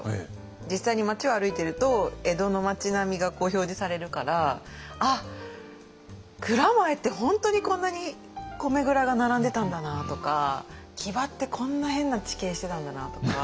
実際に町を歩いてると江戸の町並みが表示されるから「あっ蔵前って本当にこんなに米蔵が並んでたんだな」とか「木場ってこんな変な地形してたんだな」とか。